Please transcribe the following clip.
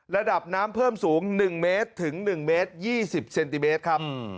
ระดับน้ำเพิ่มสูง๑เมตรถึง๑เมตร๒๐เซนติเมตรครับ